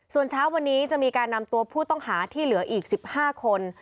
ส่วนเช้าวันนี้จะมีการนำตัวผู้ต้องหาที่เหลืออีก๑๕คน